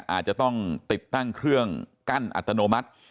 อาจจะต้องติดตั้งเครื่องกั้นอัตโนมัติ